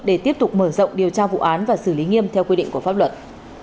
để tiếp tục mở rộng điều tra vụ án và xử lý nghiêm theo quy định của pháp luật